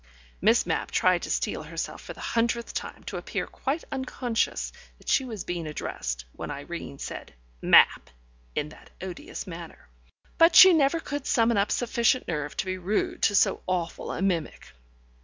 Miss Mapp tried to steel herself for the hundredth time to appear quite unconscious that she was being addressed when Irene said "Mapp" in that odious manner. But she never could summon up sufficient nerve to be rude to so awful a mimic.